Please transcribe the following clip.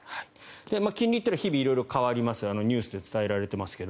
金利というのは日々変わりますニュースで伝えられていますが。